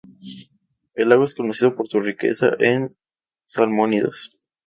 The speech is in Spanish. El lago es conocido por su riqueza en salmónidos.